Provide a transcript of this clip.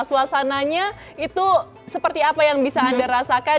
suasananya itu seperti apa yang bisa anda rasakan